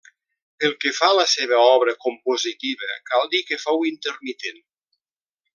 Pel que fa a la seva obra compositiva cal dir que fou intermitent.